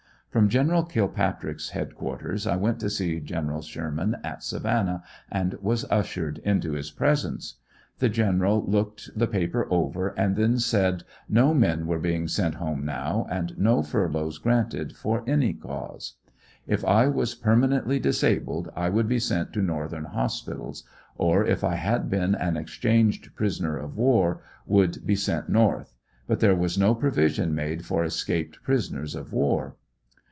From Gen. Kilpatrick's head quarters I went to see Gen. Sherman at Savannah and was ushered into his presence. The Gen. looked the paper over and then said no men were being seiit home now and no furloughs granted for any 164 WHAT BECAME OF THE BOYS. cause. If I was permanently disabled I could be sent to Northern hospitals, or if I had been an exchanged prisoner of war, could be sent North, but there was no provision made for escaped prisoners of war.